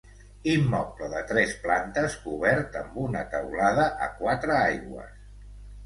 Immoble de tres plantes cobert amb una teulada a quatre aigües.